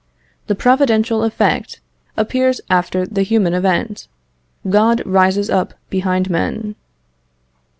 The providential event appears after the human event. God rises up behind men.